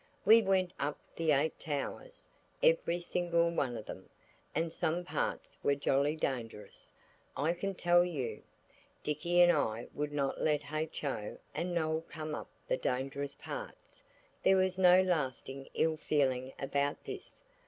We went up the eight towers, every single one of them, and some parts were jolly dangerous, I can tell you. Dicky and I would not let H.O. and Noël come up the dangerous parts. There was no lasting ill feeling about this.